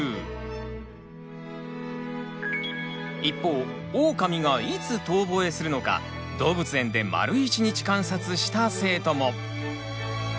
一方オオカミがいつ遠ぼえするのか動物園で丸一日観察した生徒も。